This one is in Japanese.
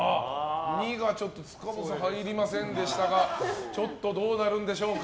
２が入りませんでしたがちょっとどうなるんでしょうか。